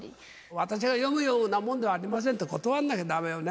私が読むようなもんではありませんと断んないとだめよね。